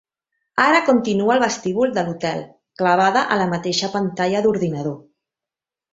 Ara continua al vestíbul de l'hotel, clavada a la mateixa pantalla d'ordinador.